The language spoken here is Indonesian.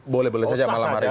boleh boleh saja malam hari ini